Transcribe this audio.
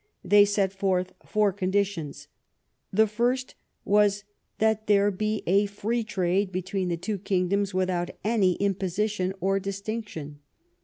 They set forth four conditions. The first was " That there be a free trade between the two kingdoms, without any imposition or distinction."